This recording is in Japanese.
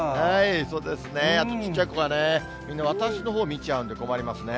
そうですね、ちっちゃい子がね、みんな私のほう見ちゃうんで困りますね。